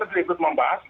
tetap ikut membahas